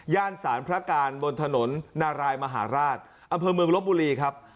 สารพระการบนถนนนารายมหาราชอำเภอเมืองลบบุรีครับ